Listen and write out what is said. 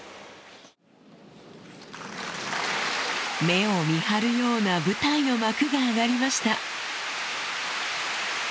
目を見張るような舞台の幕が上がりました